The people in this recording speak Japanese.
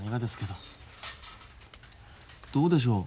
どうでしょう？